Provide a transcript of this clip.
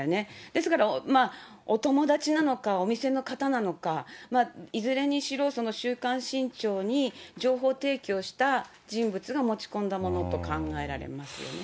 ですから、お友達なのか、お店の方なのか、いずれにしろ、週刊新潮に情報提供した人物が持ち込んだものと考えられますよね。